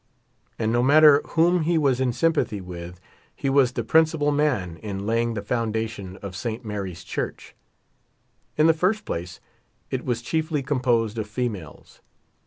And no mat ter whom he was in sympathy with he was the principal man in laying the foundation of Saint Mary's Church. In the first place it was chiefly composed of females.